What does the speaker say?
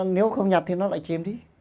nếu không nhặt thì nó lại chìm đi